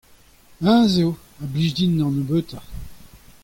hennezh eo a blij din an nebeutañ.